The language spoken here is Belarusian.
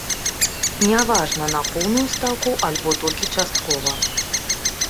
Няважна, на поўную стаўку альбо толькі часткова.